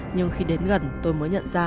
nhưng khi đến gần tôi mới nhận ra